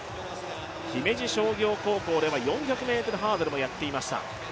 姫路商業高校では４００ｍハードルもやっていました。